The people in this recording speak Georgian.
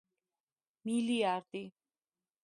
მილიარდი